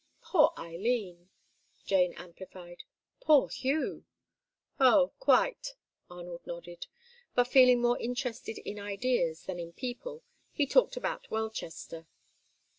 "Poor Eileen," Jane amplified; "poor Hugh." "Oh, quite," Arnold nodded. But, feeling more interested in ideas than in people, he talked about Welchester.